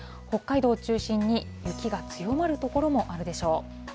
北海道を中心に、雪が強まる所もあるでしょう。